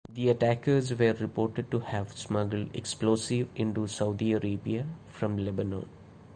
The attackers were reported to have smuggled explosives into Saudi Arabia from Lebanon.